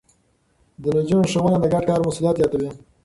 د نجونو ښوونه د ګډ کار مسووليت زياتوي.